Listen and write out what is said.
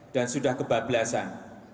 dan sudah kebablasan